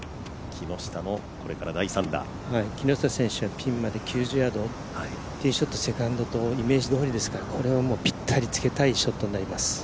木下選手はピンまで９０ヤードティーショット、セカンドとイメージ通りですから、ここはぴったりつけたいショットになります。